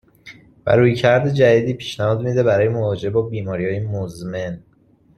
و رویکرد جدیدی پیشنهاد میده برای مواجهه با بیماریهای مُزمِن.